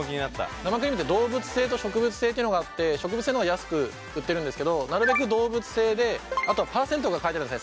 生クリームって動物性と植物性っていうのがあって植物の方が安く売ってるんですけどなるべく動物性であとは％が書いてあるんですね。